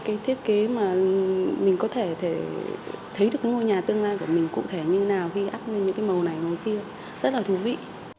cái thiết kế mà mình có thể thấy được cái ngôi nhà tương lai của mình cụ thể như nào khi áp lên những cái màu này màu kia rất là thú vị